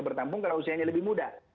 bertampung karena usianya lebih muda